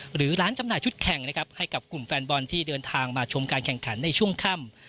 หรือร้านจำหน่ายชุดแข่งนะครับให้กับกลุ่มแฟนบอลที่เดินทางมาชมการแข่งขันในช่วงค่ำ